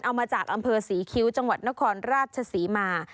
เอามาจากอำเภอศรีคิ้วจังหวัดนครราชศรีมา